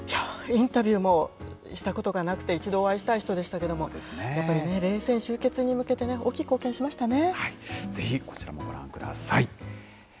インタビューもしたことがなくて、一度お会いしたい人でしたけど、やっぱり冷戦終結に向けて大きく貢献しましたね。